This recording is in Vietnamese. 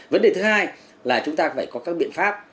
vấn đề thứ hai là chúng ta phải có các biện pháp